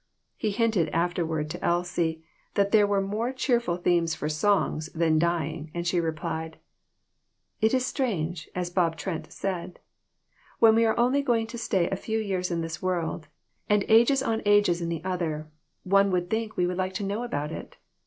He hinted afterward to Elsie that there were more cheerful themes for songs than dying, and she replied " It is strange, as Bob Trent said. When we are only going to stay a few years in this world, and ages on ages in the other, one would think we would like to know about it.